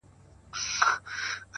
خپل هدفونه په صبر تعقیب کړئ,